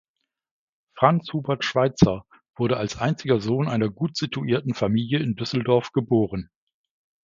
Franz Hubert Schweitzer wurde als einziger Sohn einer gutsituierten Familie in Düsseldorf geboren.